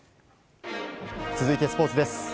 続いてスポーツです。